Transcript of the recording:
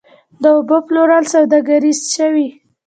د اوبو پلورل سوداګري شوې؟